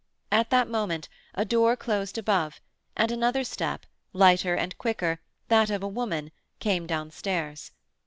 At that moment a door closed above, and another step, lighter and quicker, that of a woman, came downstairs.